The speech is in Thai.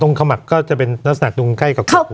ตรงขมับก็จะเป็นลักษณะดูใกล้กับขมับ